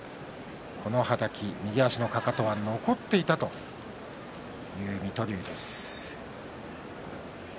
はたき、右足のかかと残っていたという水戸龍です。